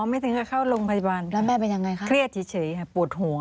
ไม่ถึงจะเข้าโรงพยาบาลแล้วแม่เป็นยังไงคะเครียดเฉยค่ะปวดหัว